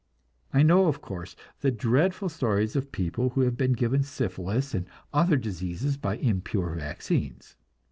I know, of course, the dreadful stories of people who have been given syphilis and other diseases by impure vaccines.